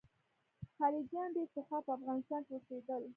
خلجیان ډېر پخوا په افغانستان کې اوسېدل.